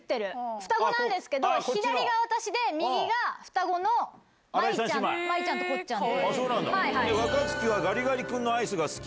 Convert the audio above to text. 双子なんですけど左が私で右が双子の舞ちゃんと琴ちゃん。